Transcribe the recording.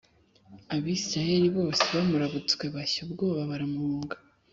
Abisirayeli bose bamurabutswe bashya ubwoba, baramuhunga.